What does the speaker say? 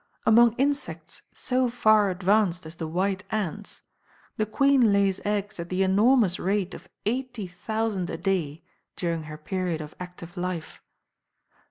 Among insects so far advanced as the white ants, the queen lays eggs at the enormous rate of 80,000 a day during her period of active life.